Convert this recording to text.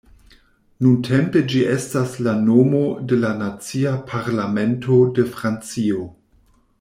Nuntempe ĝi estas la nomo de la nacia parlamento de Francio.